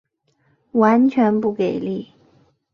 完全不给力